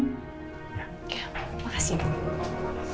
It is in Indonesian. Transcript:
terima kasih ibu